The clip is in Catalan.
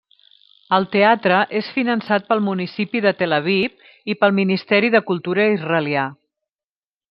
El teatre és finançat pel municipi de Tel Aviv i pel Ministeri de Cultura israelià.